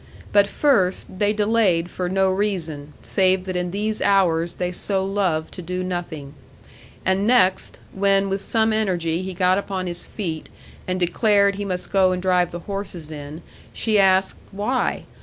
But first, they delayed for no reason, save that in these hours they so loved to do nothing. And next, when with some energy he got upon his feet and declared he must go and drive the horses in, she asked, Why?